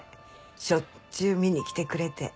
しょっちゅう見に来てくれて。